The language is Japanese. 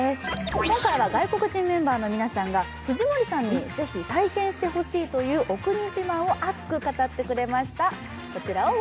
今回は外国人メンバーの皆さんが藤森さんにぜひ体験してほしいというお国自慢を熱く語ってくれました。